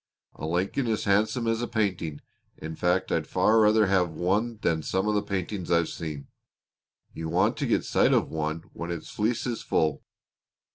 A Lincoln is handsome as a painting; in fact I'd far rather have one than some of the paintings I've seen. You want to get sight of one when its fleece is full!